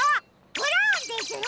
ブラウンですよ！